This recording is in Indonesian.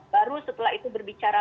baru setelah itu berbicara